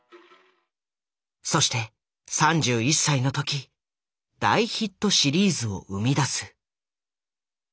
そして３１歳の時大ヒットシリーズを生み出す。